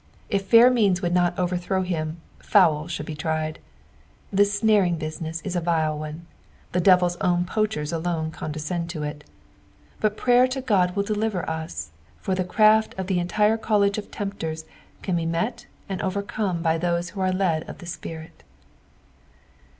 If fair means would not overthrow him, foul should be tried. This snaring business is a vile one, the devil's own poachetB alone condescend to it ; but prayer to Qod will deliver ua, for the crnft of the entire college of tempters can be met and overcome by those who are led of the Spirit.